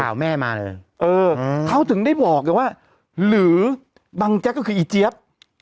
แม่มาเลยเออเขาถึงได้บอกไงว่าหรือบังแจ๊กก็คืออีเจี๊ยบ